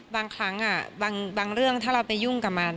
บางครั้งบางเรื่องถ้าเราไปยุ่งกับมัน